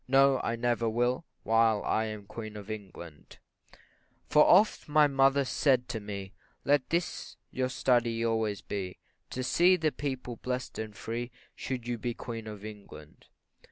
no, I never will, While I am Queen of England; For oft my mother said to me, Let this your study always be, To see the people blest and free, Should you be Queen of England.